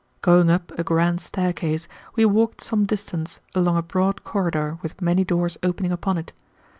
Going up a grand staircase we walked some distance along a broad corridor with many doors opening upon it.